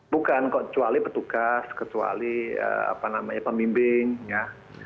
bukan kecuali petugas kecuali apa namanya pemimbing ya